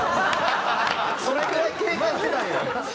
それくらい警戒してたんや。